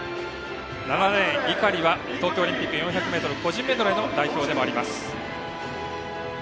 ７レーン、井狩は東京オリンピック個人メドレーの代表でもあります。